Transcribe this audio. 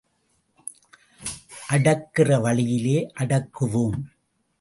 அடக்குகிற வழியிலே அடக்குவோம்.